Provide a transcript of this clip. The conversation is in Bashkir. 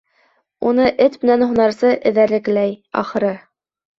Уны эт менән һунарсы эҙәрлекләй, ахыры.